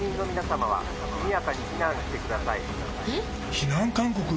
避難勧告？